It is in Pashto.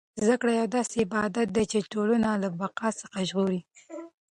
زده کړه یو داسې عبادت دی چې ټولنه له فقر څخه ژغوري.